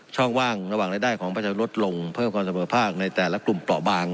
ช่องว่างระหว่างรายได้ของประชาชนลดลงเพิ่มความเสมอภาคในแต่ละกลุ่มเปราะบาง